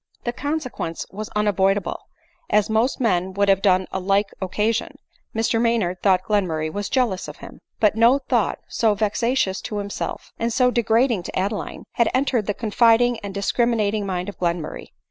The consequence was unavoidable ; as most men would have done on a like occasion, Mr Maynard thought Glenmurray was jealous of him. But no thought so vexatious to himself, and so de ADELINE MOWBRAY. 81 grading to Adeline, had entered the confiding and dis* criminating mind of Glenmurray.